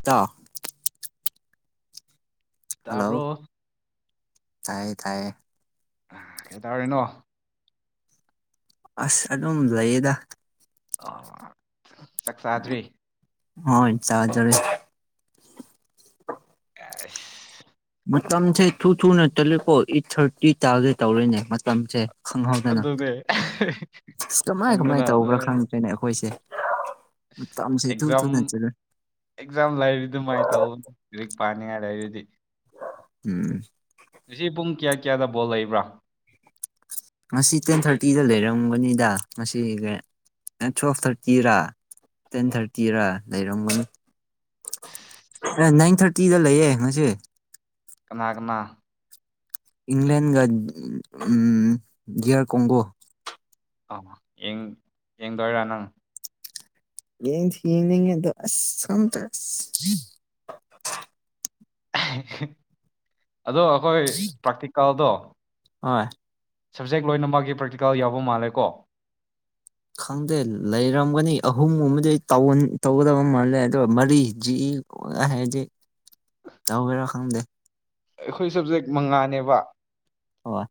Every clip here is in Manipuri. ꯏꯇꯥꯎ ꯍꯜꯂꯣ ꯇꯥꯕ꯭ꯔꯣ ꯇꯥꯏꯌꯦ ꯇꯥꯏꯌꯦ ꯑ ꯀꯩꯇꯥꯧꯔꯔꯤꯅꯣ ꯑꯁꯂꯝ ꯂꯩꯌ‌ꯦꯗ ꯑ ꯆꯥꯛꯆꯥꯥꯗꯕꯤ ꯍꯣꯏ ꯏ ꯆꯖꯔ ꯑꯦꯁ ꯃꯇꯝꯁꯦ ꯊꯨ ꯊꯨꯅ ꯆꯠꯂꯦꯀꯣ ꯑꯩꯠ ꯊꯥꯔꯇꯤ ꯇꯥꯒꯦ ꯇꯧꯔꯦꯅꯦ ꯃꯇꯝꯁꯦ ꯈꯪꯍꯧꯗꯅ ꯑꯗꯨꯅꯦ ꯀꯃꯥꯏ ꯀꯃꯥꯏ ꯈꯪꯗꯅ ꯇꯧꯕ꯭ꯔꯥ ꯅꯣꯏ ꯈꯪꯗꯦꯅ ꯑꯩꯈꯣꯏꯁꯦ ꯃꯇꯝꯁꯦ ꯏꯊꯨ ꯑꯦꯛꯖꯥꯝ ꯊꯨꯅ ꯆꯠꯂꯦ ꯑꯦꯛꯖꯥꯝ ꯂꯩꯔꯤ ꯑꯗꯨꯃꯥꯏꯅ ꯇꯧ ꯍꯧꯖꯤꯛ ꯄꯥꯅꯤꯡꯉꯥꯏ ꯂꯩꯔꯤꯗꯤ ꯎꯝ ꯉꯁꯤ ꯄꯨꯡ ꯀꯌꯥ ꯀꯌꯥꯗ ꯕꯣꯜ ꯂꯩꯕ꯭ꯔꯥ ꯉꯁꯤ ꯇꯦꯟ ꯊꯥꯔꯇꯤꯗ ꯂꯩꯔꯝꯒꯅꯤꯗ ꯉꯁꯤ ꯇꯨꯋꯦꯜꯐ ꯊꯥꯔꯇꯤꯔ ꯇꯦꯟ ꯊꯥꯔꯇꯤꯔ ꯂꯩꯔꯝꯒꯅꯤ ꯑꯦ ꯅꯥꯏꯟ ꯊꯥꯔꯇꯤꯗ ꯂꯩꯌꯦ ꯉꯁꯤ ꯀꯅꯥ ꯀꯅꯥ ꯏꯪꯂꯦꯟꯒ ꯗꯤꯌꯥꯔ ꯀꯣꯡꯒꯣ ꯑꯥ ꯌꯦꯡ ꯌꯦꯡꯗꯣꯏꯔ ꯅꯪ ꯌꯦꯡꯊꯤ ꯌꯦꯡꯅꯤꯡꯉꯦ ꯑꯗꯣ ꯑꯁ‌ ꯈꯪꯗꯦ ꯑꯗꯣ ꯑꯩꯈꯣꯏ ꯄ꯭ꯔꯥꯛꯇꯤꯀꯜꯗꯣ ꯍꯣꯏ ꯁꯞꯖꯦꯛ ꯂꯣꯏꯅꯃꯛꯒꯤ ꯄ꯭ꯔꯦꯛꯇꯤꯀꯦꯜ ꯌꯥꯎꯕ ꯃꯥꯜꯂꯦꯀꯣ ꯈꯪꯗꯦ ꯂꯩꯔꯝꯒꯅꯤ ꯑꯍꯨꯝꯒꯨꯝꯕꯗꯤ ꯇꯧꯟ ꯇꯧꯒꯗꯕ ꯃꯥꯜꯂꯦ ꯑꯗꯨꯒ ꯃꯔꯤ ꯖꯤ [unintelligible] ꯇꯧꯒꯦꯔ ꯈꯪꯗꯦ ꯑꯩꯈꯣꯏ ꯁꯕꯖꯦꯛ ꯃꯉꯥꯅꯦꯕ ꯍꯣꯏ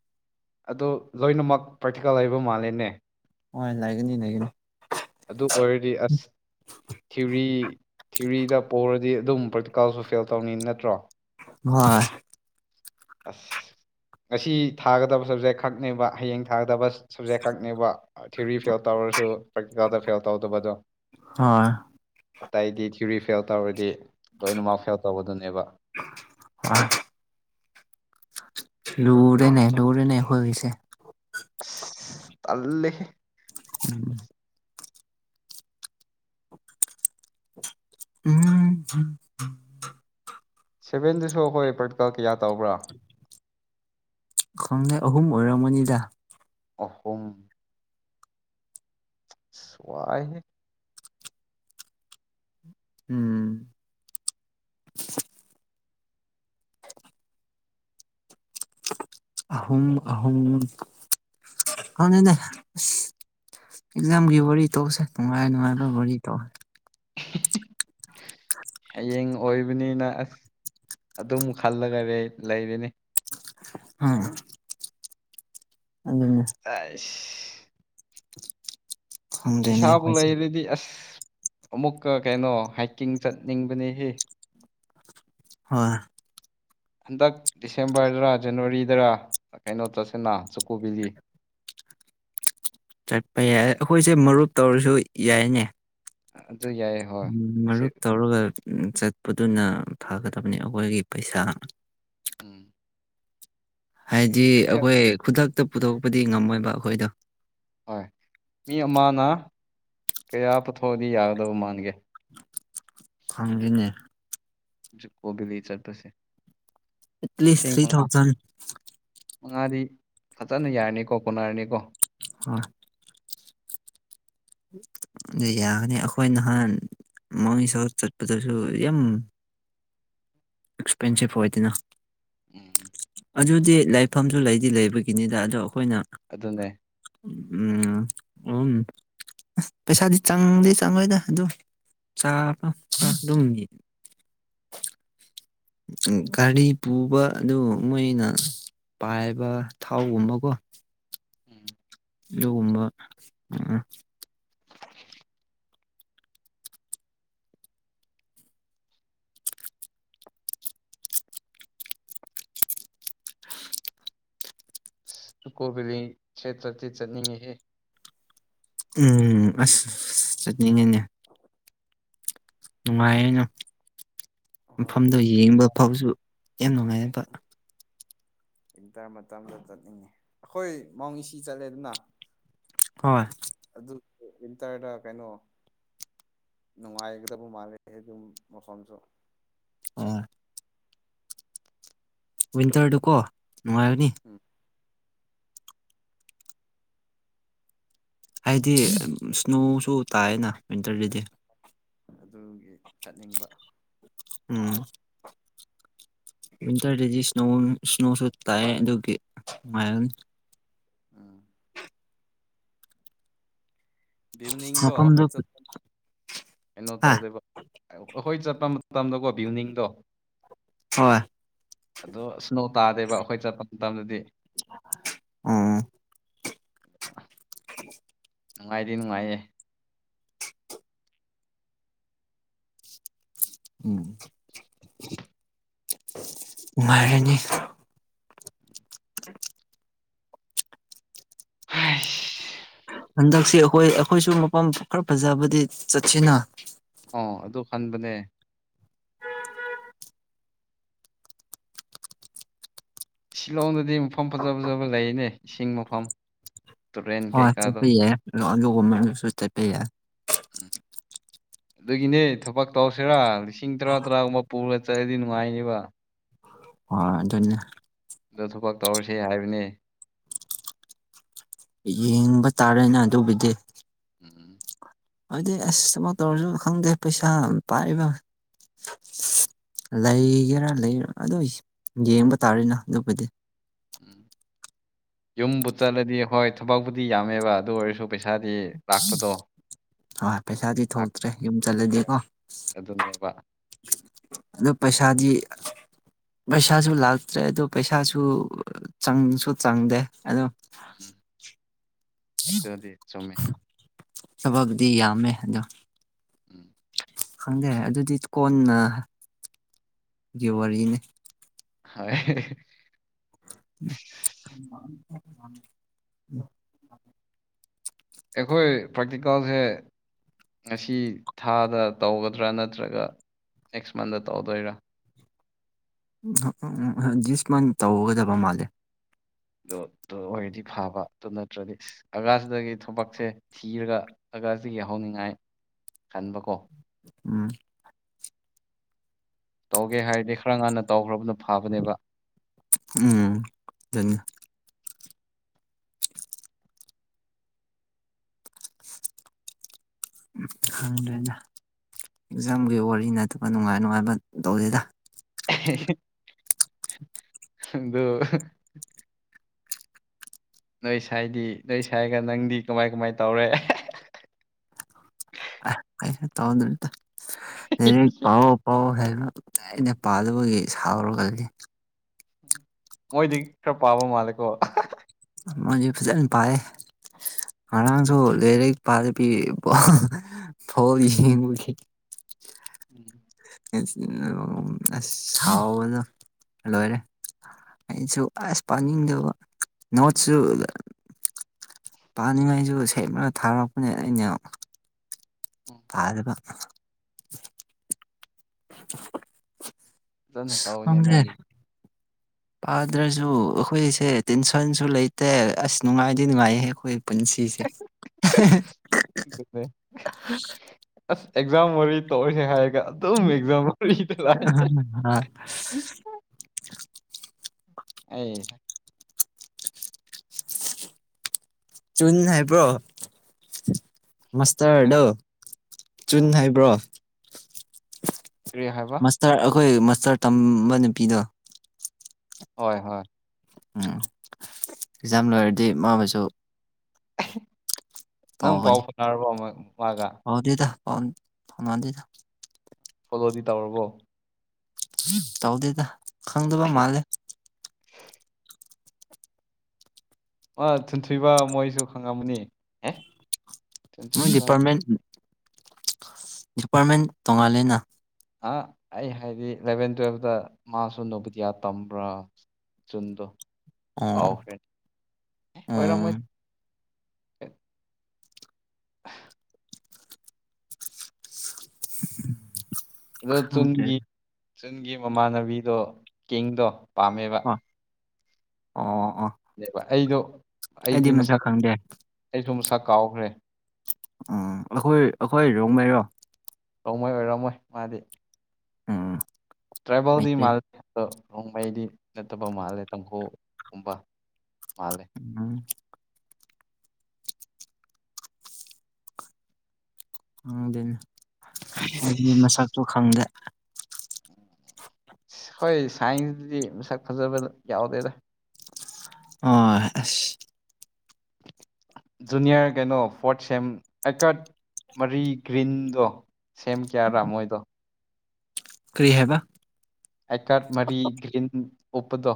ꯑꯗꯣ ꯂꯣꯏꯅꯃꯛ ꯄ꯭ꯔꯥꯛꯇꯤꯀꯦꯜ ꯂꯩꯕ ꯃꯥꯜꯂꯦꯅꯦ ꯍꯣꯏ ꯂꯩꯒꯅꯤ ꯂꯩꯒꯅꯤ ꯑꯗꯨ ꯑꯣꯏꯔꯗꯤ ꯑꯁ ꯊꯤꯌꯨꯔꯤ ꯊꯤꯔꯤꯗ ꯄꯣꯔꯗꯤ ꯑꯗꯨꯝ ꯄ꯭ꯔꯥꯛꯇꯤꯀꯦꯜꯁꯨ ꯐꯦꯜ ꯇꯧꯅꯤ ꯅꯠꯇ꯭ꯔꯣ ꯍꯣꯏ ꯑꯁ ꯉꯁꯤ ꯊꯥꯒꯗꯕ ꯁꯕꯖꯦꯛ ꯈꯛꯅꯦꯕ ꯍꯌꯦꯡ ꯊꯥꯒꯗꯕ ꯁꯕꯖꯦꯛ ꯈꯛꯅꯦꯕ ꯊꯤꯔꯤ ꯐꯦꯜ ꯇꯧꯔꯁꯨ ꯄ꯭ꯔꯥꯛꯇꯤꯀꯦꯜꯗ ꯐꯦꯜ ꯇꯧꯗꯕꯗꯣ ꯍꯣꯏ ꯑꯇꯩꯗꯤ ꯊ꯭ꯌꯨꯔꯤ ꯐꯦꯜ ꯇꯧꯔꯗꯤ ꯂꯣꯏꯅꯃꯛ ꯐꯦꯜ ꯇꯧꯕꯗꯨꯅꯦꯕ ꯑꯥ ꯂꯨꯔꯦꯅꯦ ꯂꯨꯔꯦꯅꯦ ꯑꯩꯈꯣꯏꯒꯤꯁꯦ ꯑꯁ‌ ꯇꯜꯂꯦꯍꯦ ꯎꯝ ꯎꯝ ꯍꯨꯝ ꯁꯚꯦꯟꯗꯁꯨ ꯑꯩꯈꯣꯏ ꯄ꯭ꯔꯥꯛꯇꯤꯀꯦꯜ ꯀꯌꯥ ꯇꯧꯕ꯭ꯔꯥ ꯈꯪꯗꯦ ꯑꯍꯨꯝ ꯑꯣꯏꯔꯝꯒꯅꯤꯗ ꯑꯍꯨꯝ ꯑꯁ ꯋꯥꯏꯍꯦ ꯎꯝ ꯑꯍꯨꯝ ꯑꯍꯨꯝ ꯈꯪꯗꯦꯅꯦ ꯑꯦꯛꯖꯥꯝꯒꯤ ꯋꯥꯔꯤ ꯇꯧꯁꯦ ꯅꯨꯡꯉꯥꯏ ꯅꯨꯡꯉꯥꯏꯕ ꯋꯥꯔꯤ ꯇꯧ ꯍꯌꯦꯡ ꯑꯣꯏꯕꯅꯤꯅ ꯑꯁ ꯑꯗꯨꯝ ꯈꯜꯂꯒ ꯂꯩ ꯂꯩꯔꯦꯅꯦ ꯎꯝ ꯑꯗꯨꯅꯦ ꯑꯥꯏꯁ ꯈꯪꯗ꯭ꯔꯦꯅꯦ ꯄꯩꯁꯥꯕꯨ ꯑꯩꯈꯣꯏꯁꯦ ꯂꯩꯔꯗꯤ ꯑꯁ ꯑꯃꯨꯛꯀ ꯀꯩꯅꯣ ꯍꯥꯏꯛꯀꯤꯡ ꯆꯠꯅꯤꯡꯕꯅꯦꯍꯦ ꯍꯣꯏ ꯍꯟꯗꯛ ꯗꯤꯁꯦꯝꯕꯔꯗꯔ ꯖꯅꯋꯥꯔꯤꯗꯔ ꯀꯩꯅꯣ ꯆꯠꯁꯤꯅ ꯆꯨꯀꯣꯕꯤꯂꯤ ꯆꯠꯄ ꯌꯥꯏ ꯑꯩꯈꯣꯏꯁꯦ ꯃꯔꯨꯞ ꯇꯧꯔꯁꯨ ꯌꯥꯏꯅꯦ ꯑꯗꯨ ꯌꯥꯏ ꯍꯣꯏ ꯁꯤ ꯃꯔꯨꯞ ꯇꯧꯔꯒ ꯆꯠꯄꯗꯨꯅ ꯐꯥꯒꯗꯕꯅꯤ ꯑꯩꯈꯣꯏꯒꯤ ꯄꯩꯁꯥ ꯎꯝ ꯍꯥꯏꯗꯤ ꯃꯤ ꯑꯩꯈꯣꯏ ꯈꯨꯗꯛꯇ ꯄꯨꯊꯣꯛꯄꯗꯤ ꯉꯝꯃꯣꯏꯕ ꯑꯩꯈꯣꯏꯗꯣ ꯍꯣꯏ ꯃꯤ ꯑꯃꯅ ꯀꯌꯥ ꯄꯨꯊꯣꯛꯑꯗꯤ ꯌꯥꯒꯗꯕ ꯃꯥꯟꯒꯦ ꯈꯪꯗꯦꯅꯦ ꯖꯨꯀꯣ ꯕꯦꯂꯤ ꯆꯠꯄꯁꯦ ꯑꯦꯠꯂꯤꯁ ꯁꯤꯡ ꯊ꯭ꯔꯤ ꯃꯉꯥ ꯊꯥꯎꯖꯟ ꯃꯉꯥꯗꯤ ꯐꯖꯅ ꯌꯥꯔꯅꯤꯀꯣ ꯀꯣꯟꯅꯔꯅꯤꯀꯣ ꯑꯥ ꯑꯗꯨ ꯌꯥꯒꯅꯤ ꯑꯩꯈꯣꯏ ꯅꯍꯥꯟ [unintelligible] ꯆꯠꯄꯗꯁꯨ ꯌꯥꯝ ꯑꯦꯛꯁ꯭ꯄꯦꯟꯁꯤꯞ ꯑꯣꯏꯗꯅ ꯎꯝ ꯑꯗꯨꯗꯤ ꯂꯥꯏꯐꯝꯁꯨ ꯂꯩꯗꯤ ꯂꯩꯕꯒꯤꯅꯤꯗ ꯑꯗꯣ ꯑꯩꯈꯣꯏꯅ ꯑꯗꯨꯅꯦ ꯎꯝ ꯑꯣ ꯑꯁ ꯄꯩꯁꯥꯗꯤ ꯆꯪꯗꯤ ꯆꯪꯂꯣꯏꯗ ꯑꯗꯨꯝ ꯆꯥꯕ ꯑꯗꯨꯝ ꯒꯥꯔꯤ ꯄꯨꯕ ꯑꯗꯨ ꯃꯣꯏꯅ ꯄꯥꯏꯕ ꯊꯥꯎꯒꯨꯝꯕꯀꯣ ꯎꯝ ꯑꯗꯨꯒꯨꯝꯕ ꯎꯝ ꯖꯨꯀꯣ ꯕꯦꯂꯤꯁꯦ ꯆꯠꯇꯤ ꯆꯠꯅꯤꯡꯉꯦꯍꯦ ꯎꯝ ꯑꯁ ꯆꯠꯅꯤꯡꯉꯦꯅꯦ ꯅꯨꯡꯉꯥꯏꯅ ꯍꯣꯏ ꯃꯐꯝꯗꯣ ꯌꯦꯡꯕ ꯋꯤꯟꯇꯔ ꯐꯥꯎꯁꯨ ꯌꯥꯝ ꯅꯨꯡꯉꯥꯏꯌꯦꯕꯥ ꯋꯤꯟꯇꯔ ꯃꯇꯝꯗ ꯆꯠꯅꯤꯡꯉꯦ ꯑꯩꯈꯣꯏ ꯃꯧ ꯏꯁꯤ ꯆꯠꯂꯦꯗꯅ ꯍꯣꯏ ꯑꯗꯨ ꯋꯤꯟꯇꯔꯗ ꯀꯩꯅꯣ ꯅꯨꯡꯉꯥꯏꯒꯗꯕ ꯃꯥꯜꯂꯦ ꯍꯦꯗꯨꯝ ꯃꯐꯝꯁꯨ ꯎꯝ ꯋꯤꯟꯇ꯭ꯔꯗꯨ ꯀꯣ ꯅꯨꯉꯥꯏꯒꯅꯤ ꯎꯝ ꯍꯥꯏꯗꯤ ꯏꯁ꯭ꯅꯣꯁꯨ ꯇꯥꯏꯑꯦꯅ ꯋꯤꯟꯇꯔꯗꯗꯤ ꯑꯗꯨꯒꯤ ꯆꯠꯅꯤꯡꯕ ꯎꯝ ꯋꯤꯟꯇꯔꯗꯗꯤ ꯏꯁ꯭ꯅꯣ ꯏꯁ꯭ꯅꯣꯁꯨ ꯇꯥꯏ ꯑꯗꯨꯒꯤ ꯅꯨꯉꯥꯏꯅꯤ ꯎꯝ ꯏꯕꯤꯅꯤꯡꯗꯣ ꯑꯩꯈꯣꯏ ꯃꯐꯝꯗꯣ ꯆꯠꯄ ꯀꯩꯅꯣ ꯍꯥ ꯇꯧꯗꯦꯕ ꯑꯧꯈꯣꯏ ꯆꯠꯄ ꯃꯇꯝꯗꯀꯣ ꯕꯤꯜꯗꯤꯡꯗꯣ ꯍꯣꯏ꯫ ꯑꯗꯣ ꯏꯁ꯭ꯅꯣ ꯇꯥꯗꯦꯕ ꯑꯩꯈꯣꯏ ꯆꯠꯄ ꯃꯇꯝꯗꯗꯤ ꯎꯝ [unintelligible] [unintelligible] ꯅꯨꯡꯉꯥꯏꯗꯤ ꯅꯨꯡꯉꯥꯏꯌꯦ ꯎꯝ ꯅꯨꯉꯥꯏꯔꯅꯤ ꯍꯥꯏꯁ ꯍꯟꯗꯛꯁꯤ ꯑꯩꯈꯣꯏ ꯑꯩꯈꯣꯏꯁꯨ ꯃꯐꯝ ꯈꯔ ꯐꯖꯕꯗꯤ ꯆꯠꯁꯤꯅ꯫ ꯑꯣ ꯑꯗꯨ ꯈꯟꯕꯅꯦ꯫ ꯁꯤꯜꯂꯣꯡꯗꯗꯤ ꯃꯐꯝ ꯐꯖ ꯐꯖꯕ ꯂꯩꯑꯦꯅꯦ ꯏꯁꯤꯡ ꯃꯐꯝ꯫ ꯇꯨꯔꯦꯟ ꯍꯣꯏ ꯀꯩꯀꯥꯗꯣ ꯆꯠꯄ ꯌꯥꯏ ꯑꯗꯨꯒꯃꯕꯁꯨ ꯆꯠꯄ ꯌꯥꯏ꯫ ꯎꯝ--꯫ ꯑꯗꯨꯒꯤꯅꯦ ꯊꯕꯛ ꯇꯧꯁꯦꯔꯥ ꯂꯤꯁꯤꯡ ꯇꯔꯥ ꯇꯔꯥꯒꯨꯝꯕ ꯄꯨꯔ ꯆꯠꯂꯗꯤ ꯅꯨꯡꯉꯥꯏꯅꯦꯕ꯫ ꯑꯥ ꯑꯗꯨꯅꯦ꯫ ꯑꯗꯣ ꯊꯕꯛ ꯇꯧꯔꯁꯦ ꯍꯥꯏꯕꯅꯦ꯫ ꯌꯦꯡꯕ ꯇꯥꯔꯦꯅ ꯑꯗꯨꯒꯤꯗꯤ꯫ ꯎꯝ--꯫ ꯍꯥꯏꯗꯤ ꯑꯁ ꯑꯝ ꯇꯧꯔꯁꯨ ꯈꯪꯗꯦ ꯄꯩꯁꯥ ꯄꯥꯏꯕ--꯫ ꯂꯩꯒꯦꯔꯥ ꯂꯩꯔꯥ ꯑꯗꯨꯏ ꯌꯦꯡꯕ ꯇꯥꯔꯦꯅ ꯑꯗꯨꯕꯨꯗꯤ꯫ ꯎꯝ ꯌꯨꯝꯕꯨ ꯆꯠꯂꯥꯗꯤ ꯍꯣꯏ ꯊꯕꯛꯄꯨꯗꯤ ꯌꯥꯝꯃꯦꯕ ꯑꯗꯨ ꯑꯣꯏꯔꯁꯨ--꯫ ꯄꯩꯁꯥꯗꯤ ꯂꯥꯛꯄꯗꯣ--꯫ ꯑ ꯄꯩꯁꯥꯗꯤ ꯂꯥꯛ- ꯊꯣꯛꯇ꯭ꯔꯦ ꯌꯨꯝ ꯆꯠꯂꯗꯤꯀꯣ꯫ ꯑꯗꯨꯅꯦꯕ ꯑꯗꯣ ꯄꯩꯁꯥꯗꯤ--꯫ ꯄꯩꯁꯥꯁꯨ ꯂꯥꯛꯇ꯭ꯔꯦ ꯑꯗꯣ ꯄꯩꯁꯥꯁꯨ ꯆꯪꯁꯨ ꯆꯪꯗꯦ ꯑꯗꯣ--꯫ ꯎꯝ ꯑꯗꯨꯗꯤ ꯆꯨꯝꯃꯦ꯫ ꯊꯕꯛꯕꯨꯗꯤ ꯌꯥꯝꯃꯦ ꯑꯗꯣ--꯫ ꯎꯝ--꯫ ꯈꯪꯗꯦ ꯑꯗꯨꯗꯤ ꯀꯣꯟꯅ ꯒꯤ ꯋꯥꯔꯤꯅꯤ꯫ ꯍꯥꯏ ꯑꯦ-ꯍꯦ--꯫ inaudible꯫ ꯑꯩꯈꯣꯏ ꯄ꯭ꯔꯥꯛꯇꯤꯀꯜꯁꯦ--꯫ ꯉꯁꯤ ꯊꯥꯗ ꯇꯧꯒꯗ꯭ꯔꯥ ꯅꯠꯇ꯭ꯔꯒ ꯅꯦꯛꯁ ꯃꯟꯗ ꯇꯧꯗꯣꯏꯔꯥ꯫ ꯑ ꯎ ꯎꯝ ꯑꯥ ꯗꯤꯁ ꯃꯟ ꯇꯧꯒꯗꯕ ꯃꯥꯜꯂꯦ꯫ ꯗꯣ ꯑꯗꯣꯏꯔꯗꯤ ꯐꯕ ꯑꯗꯨ ꯅꯠꯇ꯭ꯔꯗꯤ꯫ ꯑꯒꯥꯁꯗꯒꯤ ꯊꯕꯛꯁꯦ ꯊꯤꯔꯒ ꯑꯒꯥꯁꯗꯒꯤ ꯍꯧꯅꯤꯡꯉꯥꯏ ꯈꯟꯕꯀꯣ꯫ ꯎꯝ--꯫ ꯇꯧꯒꯦ ꯍꯥꯏꯔꯗꯤ ꯈꯔ ꯉꯟꯅ ꯇꯧꯈ꯭ꯔꯕꯅ ꯐꯕꯅꯦꯕ꯫ inaudible--꯫ ꯀꯪꯗ꯭ꯔꯦꯅ ꯑꯦꯛꯖꯥꯝꯒꯤ ꯋꯥꯔꯤ ꯅꯠꯇꯕ ꯅꯨꯡꯉꯥꯏ ꯅꯨꯡꯉꯥꯏꯕ ꯇꯧꯗꯦꯗ--꯫ ꯍꯦ ꯍꯦ ꯑꯗꯨ ꯫ ꯅꯣꯏ ꯁꯥꯏꯗꯤ ꯅꯣꯏ ꯁꯥꯏꯒ ꯅꯪꯗꯤ ꯀꯃꯥꯏ ꯀꯃꯥꯏ ꯇꯧꯔꯦ ꯑꯍꯦ꯫ ꯑ ꯀꯩꯅꯣ ꯇꯧꯗ꯭ꯔꯤꯗ ꯂꯥꯏꯔꯤꯛ ꯄꯥꯎ ꯑꯣ꯫ ꯑꯣ ꯍꯥꯏꯕ ꯑꯩꯅ ꯄꯥꯗꯕꯒꯤ ꯁꯥꯎꯔꯒ ꯂꯦꯟꯂꯦ꯫ ꯃꯣꯏꯗꯤ ꯈꯔ ꯄꯥꯕ ꯃꯥꯜꯂꯦꯀꯣ꯫ ꯃꯣꯏꯗꯤ ꯐꯖꯅ ꯄꯥꯌꯦ꯫ ꯍꯔꯥꯡꯁꯨ ꯂꯔꯤꯛ ꯄꯥꯗꯕꯤ [unintelligible] ꯐꯣꯟ ꯌꯦꯡꯕꯒꯤ--꯫ ꯎꯝ--꯫ [unintelligible] ꯑꯁ ꯍꯥꯎꯕꯅ ꯂꯣꯏꯔꯦ--꯫ ꯑꯩꯁꯨ ꯑꯁ ꯄꯥꯅꯤꯡꯗꯕ ꯅꯣꯠꯁꯨ--꯫ ꯄꯥꯅꯤꯡꯉꯥꯏꯖꯨ ꯁꯦꯝꯃꯒ ꯊꯥꯔꯛꯄꯅꯦ ꯑꯩꯅ--꯫ ꯎꯝ ꯫ ꯑꯗꯕ--꯫ ꯐꯖꯅ ꯇꯧꯋꯤꯅꯦ ꯅꯣꯏꯗꯤ ꯄꯥꯗ꯭ꯔꯖꯨ ꯑꯈꯣꯏꯁꯦ ꯇꯦꯟꯁꯟꯁꯨ ꯂꯩꯇꯦ ꯑꯁ ꯅꯨꯡꯉꯥꯏꯗꯤ ꯅꯨꯡꯉꯥꯏꯌꯦ ꯑꯩꯈꯣꯏ ꯄꯨꯟꯁꯤꯁꯦ ꯑꯗꯨꯅꯦ ꯑꯁ ꯑꯦꯛꯖꯥꯝ ꯑꯣꯏꯔꯤ ꯇꯧꯔꯣꯏꯁꯦ ꯍꯥꯏꯔꯒ ꯑꯗꯨꯝ ꯑꯦꯛꯖꯥꯝ ꯋꯥꯔꯤꯗ ꯂꯑꯦꯅꯦ ꯑꯩ ꯆꯨꯟ ꯍꯥꯏꯕ꯭ꯔꯣ ꯍꯥ ꯃꯥꯁꯇꯔꯗꯣ ꯆꯨꯟ ꯑꯥ ꯍꯥꯏꯕ꯭ꯔꯣ ꯀ꯭ꯔꯤ ꯍꯥꯏꯕ ꯇꯔ ꯑꯈꯣꯏ ꯃꯥꯁꯇꯔ ꯇꯝꯕ ꯅꯨꯄꯤꯗꯣ ꯍꯣꯏ ꯍꯣꯏ ꯎꯝ ꯑꯦꯖꯥꯝ ꯂꯣꯏꯔꯗꯤ ꯃꯥꯕꯨꯁꯨ ꯅꯪ ꯄꯥꯎ ꯐꯥꯎꯅꯔꯕꯣ ꯑꯃꯨꯛ ꯃꯥꯒ ꯗꯦꯗ ꯄꯥꯎꯟ ꯐꯥꯎꯅꯗꯦꯗ ꯐꯣꯂꯣꯗꯤ ꯇꯧꯔꯕꯣ ꯇꯧꯗꯦꯗ ꯈꯪꯗꯕ ꯃꯥꯜꯂꯦ [inaudible] ꯑ ꯊꯨꯟꯊꯨꯏꯕ ꯃꯣꯏꯁꯨ ꯈꯪꯉꯝꯃꯅꯤ ꯑꯦ ꯃꯣꯏ ꯊꯨꯟꯊ꯭ꯔꯤꯕ ꯗꯤꯄꯥ꯭ꯔꯠꯃꯦꯟ ꯗꯤꯄꯥ꯭ꯔꯠꯃꯦꯟ ꯇꯣꯉꯥꯜꯂꯦꯅ ꯑ ꯑꯩ ꯍꯥꯏꯗꯤ ꯏꯂꯚꯦꯟ ꯇꯨꯋꯦꯜꯐꯇ ꯃꯥꯁꯨ ꯅꯣꯕꯨꯗꯤꯌꯥ ꯇꯝꯕ꯭ꯔꯥ ꯆꯨꯟꯗꯣ ꯑꯣ ꯀꯥꯎꯈ꯭ꯔꯦ ꯎꯝ ꯑꯣꯏꯔꯝꯃꯣꯏ [unintelligible] [unintelligible] ꯑꯗꯣ ꯈꯪꯗ꯭ꯔꯦ ꯆꯨꯟꯒꯤ ꯆꯨꯟꯒꯤ ꯃꯃꯥꯟꯅꯕꯤꯗꯣ ꯀꯤꯡꯗꯣ ꯄꯥꯝꯃꯦꯕ ꯑꯣ ꯑꯣ ꯑꯣ ꯅꯦꯕ ꯑꯩꯗꯣ ꯑꯩꯗꯤ ꯃꯁꯛ ꯑꯩꯁꯨ ꯃꯁꯛ ꯀꯥꯎꯈ꯭ꯔꯦ ꯎꯝ ꯑꯈꯣꯏ ꯑꯈꯣꯏ ꯔꯣꯡꯃꯩꯔꯣ ꯔꯣꯡꯃꯩ ꯑꯣꯏꯔꯝꯃꯣꯏ ꯃꯥꯗꯤ ꯎꯝ ꯇ꯭ꯔꯥꯏꯕꯜꯗꯤ ꯃꯩꯇꯩ ꯃꯥꯜ ꯑꯗꯣ ꯔꯣꯡꯃꯩꯗꯤ ꯅꯠꯇꯕ ꯃꯥꯜꯂꯦ ꯇꯥꯡꯍꯨꯒꯨꯝꯕ ꯃꯥꯜꯂꯦ ꯎꯝ ꯈꯪꯗꯦꯅꯦ ꯑꯩꯗꯤ ꯃꯁꯛꯁꯨ ꯈꯪꯗꯦ ꯍꯣꯏ ꯁꯥꯏꯟꯁꯇꯗꯤ ꯃꯁꯛ ꯐꯖꯕꯗ ꯌꯥꯎꯗꯦꯗ ꯑꯣꯏ ꯑꯁ ꯖꯨꯅꯤꯌꯔ ꯀꯩꯅꯣ ꯐꯣꯔꯠ ꯁꯦꯝ ꯑꯥꯏꯀ꯭ꯔꯥꯠ ꯃꯔꯤ ꯒ꯭ꯔꯤꯟꯗꯣ ꯁꯦꯝ ꯀꯌꯥꯔꯥ ꯃꯣꯏꯗꯣ ꯀ꯭ꯔꯤ ꯍꯥꯏꯕ ꯑꯥꯏꯀꯥꯠ ꯃꯔꯤ ꯒ꯭ꯔꯤꯟ ꯎꯞꯄꯗꯣ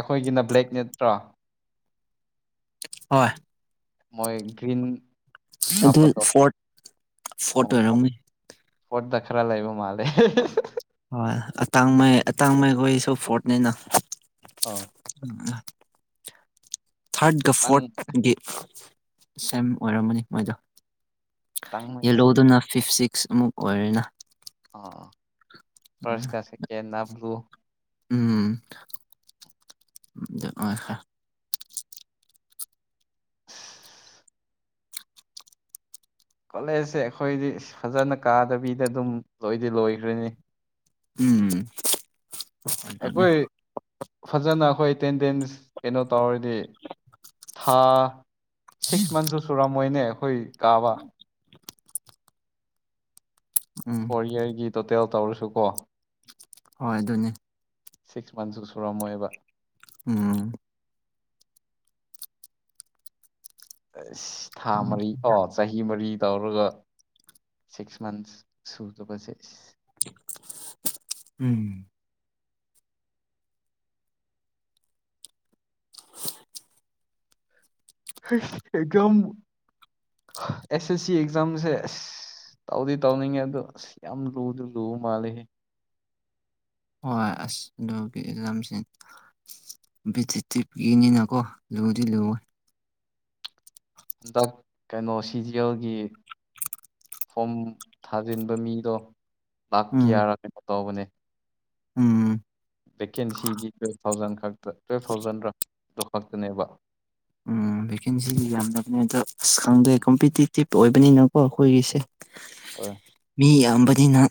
ꯑꯩꯈꯣꯏꯒꯤꯅ ꯕ꯭ꯂꯦꯛ ꯅꯠꯇ꯭ꯔꯣ ꯍꯣꯏ ꯃꯣꯏ ꯒ꯭ꯔꯤꯟ ꯑꯗꯨ ꯍꯥꯞꯄꯗꯣ ꯐꯣꯔ꯭ꯠ ꯐꯣꯔ꯭ꯠ ꯑꯣꯏꯔꯝꯅꯤ ꯐꯣꯔ꯭ꯠꯇ ꯈꯔ ꯂꯩꯕ ꯃꯥꯜꯂꯦ ꯍꯣꯏ ꯑꯇꯥꯡꯃꯩ ꯑꯇꯥꯡꯃꯩꯈꯣꯏꯁꯨ ꯐꯣꯔ꯭ꯠꯅꯤꯅ ꯑꯧ [unintelligible] ꯊꯥꯔ꯭ꯠꯒ ꯇꯪ ꯐꯣꯔ꯭ꯠꯒꯤ ꯁꯦꯝ ꯑꯣꯏꯔꯝꯃꯅꯤ ꯃꯣꯏꯗꯣ ꯇꯪꯃꯛꯁꯨ ꯌꯦꯜꯂꯣꯗꯨꯅ ꯐꯤꯞ ꯁꯤꯛꯁ ꯑꯃꯨꯛ ꯑꯣꯏꯔꯦꯅ ꯑꯣ ꯐꯥ꯭ꯔꯁ ꯀ ꯁꯦꯀꯦꯟꯅ ꯕ꯭ꯂꯨ ꯎꯝ ꯑꯗꯨꯝ ꯑꯣꯏꯈ꯭ꯔꯦ ꯀꯣꯂꯦꯖꯁꯦ ꯑꯩꯈꯣꯏꯗꯤ ꯐꯖꯅ ꯀꯥꯗꯕꯤꯗ ꯑꯗꯨꯝ ꯂꯣꯏꯗꯤ ꯂꯣꯏꯈ꯭ꯔ‌ꯦꯅ‌ꯦ ꯎꯝ ꯑꯗꯨꯅꯦ ꯑꯩꯈꯣꯏ ꯐꯖꯅ ꯑꯩꯈꯣꯏ ꯇꯦꯟꯗꯦꯟꯁ ꯀꯩꯅꯣ ꯇꯧꯔꯗꯤ ꯊꯥ ꯁꯤꯛꯁ ꯃꯟꯁꯨ ꯁꯨꯔꯝꯃꯣꯏꯅꯦ ꯑꯩꯈꯣꯏ ꯀꯥꯕ ꯎꯝ ꯐꯣꯔ ꯏꯌ꯭ꯔꯒꯤ ꯇꯣꯇꯦꯜ ꯇꯧꯔꯁꯨ ꯀꯣ ꯍꯣꯏ ꯑꯗꯨꯅꯤ ꯁꯤꯛꯁ ꯃꯟꯁꯁꯨ ꯁꯨꯔꯝꯃꯣꯏꯕ ꯎꯝ ꯑꯦꯁ ꯊꯥ ꯃꯔꯤ ꯐꯥꯎ ꯆꯍꯤ ꯃꯔꯤ ꯇꯧꯔꯒ ꯁꯤꯛꯁ ꯃꯟꯁ ꯁꯨꯗꯕꯁꯦ ꯎꯝ ꯍꯩꯁ ꯑꯦꯛꯖꯥꯝ ꯑꯦ ꯁꯦ ꯁꯤ ꯑꯦꯛꯖꯥꯝꯁꯦ ꯇꯧꯗꯤ ꯇꯧꯅꯤꯡꯉꯦ ꯑꯗꯣ ꯑꯁ ꯌꯥꯝ ꯂꯨꯗꯤ ꯂꯨꯕ ꯃꯥꯜꯂꯦꯍꯦ ꯍꯣꯏ ꯑꯁ ꯑꯗꯨꯒꯤ ꯑꯦꯛꯖꯥꯝꯁꯤꯡ ꯕꯤꯗꯤ ꯇꯤꯞꯀꯤꯅꯀꯣ ꯂꯨꯗꯤ ꯂꯨꯋꯦ ꯍꯟꯗꯛ ꯀꯩꯅꯣ ꯁꯤꯖꯤꯑꯦꯜꯒꯤ ꯐꯣꯝ ꯊꯥꯖꯤꯟꯕ ꯃꯤꯗꯣ ꯂꯥꯛ ꯎꯝ ꯀꯌꯥꯔꯥ ꯀꯩꯅꯣ ꯇꯧꯕꯅꯦ ꯎꯝ ꯚꯦꯀꯦꯟꯁꯤꯒꯤ ꯇꯨꯌꯦꯜꯞ ꯊꯥꯎꯖꯟ ꯈꯛꯇ ꯇꯨꯌꯦꯜꯞ ꯊꯥꯎꯖꯟꯔ ꯑꯗꯨ ꯈꯛꯇꯅꯦꯕ ꯎꯝ ꯚꯦꯀꯦꯟꯁꯤꯗꯤ ꯌꯥꯝꯗꯕꯅꯦ ꯑꯗꯣ ꯑꯁ ꯈꯪꯗꯦ ꯎꯝ ꯀꯝꯄꯤꯇꯤꯇꯤꯞ ꯑꯣꯏꯕꯅꯤꯅꯀꯣ ꯑꯈꯣꯏꯒꯤꯁꯦ ꯍꯣꯏ ꯃꯤ ꯌꯥꯝꯕꯅꯤꯅ